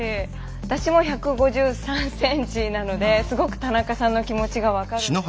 私も１５３ｃｍなのですごく田中さんの気持ちが分かるんですね。